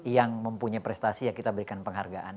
yang mempunyai prestasi ya kita berikan penghargaan